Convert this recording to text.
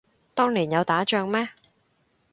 當年有打仗咩